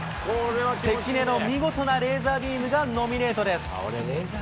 関根の見事なレーザービームがノミネートです。